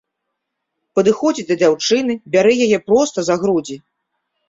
Падыходзіць да дзяўчыны, бярэ яе проста за грудзі.